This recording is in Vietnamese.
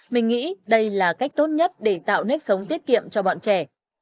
mình nghĩ đây là cách tốt nhất để tạo nếp sống tiết kiệm cho bọn trẻ